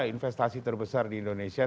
investasi terbesar di indonesia